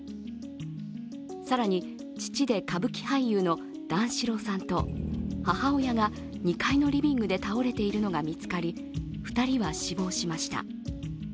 更に、父で歌舞伎俳優の段四郎さんと母親が２階のリビングで倒れているのが見つかり２人は死亡しました。